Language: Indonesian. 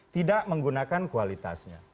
tidak menggunakan kualitasnya